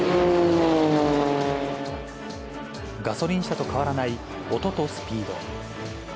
ガソリン車と変わらない音とスピード。